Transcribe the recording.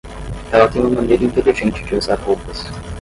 Ela tem uma maneira inteligente de usar roupas.